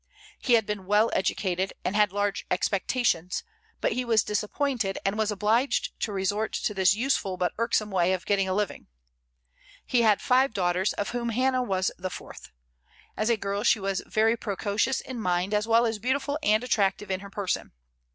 He had been well educated, and had large expectations; but he was disappointed, and was obliged to resort to this useful but irksome way of getting a living. He had five daughters, of whom Hannah was the fourth. As a girl, she was very precocious in mind, as well as beautiful and attractive in her person.